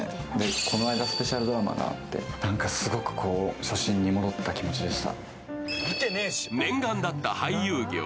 この間、スペシャルドマラがありまして、何かすごく初心に戻った気持ちでした。